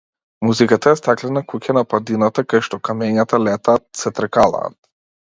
Музиката е стаклена куќа на падината кај што камењата летаат, се тркалаат.